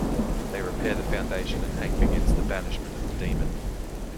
They repair the fountain and Hank begins the "banishment" of the demon.